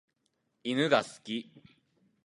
犬が好き。